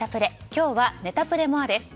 今日はネタプレＭＯＲＥです。